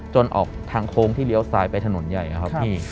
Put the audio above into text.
ออกทางโค้งที่เลี้ยวซ้ายไปถนนใหญ่นะครับพี่